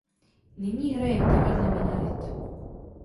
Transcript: Nyní hraje v divadle Minaret.